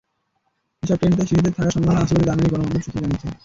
এসব ট্রেনে তাই শিশুদের থাকার সম্ভাবনা আছে বলে জার্মানির গণমাধ্যম সূত্র জানিয়েছে।